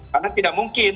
karena tidak mungkin